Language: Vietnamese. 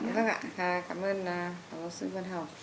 dạ đúng ạ cảm ơn phó giáo sư vân hồng